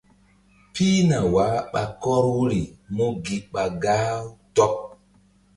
Pihna wah ɓa kɔr wuri mú gi ɓa gah-u tɔɓ.